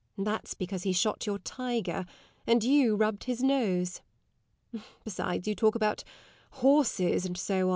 That's because he shot your tiger, and you rubbed his nose. Besides, you talk about horses, and so on.